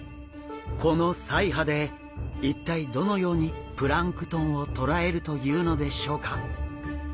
この鰓耙で一体どのようにプランクトンを捕らえるというのでしょうか？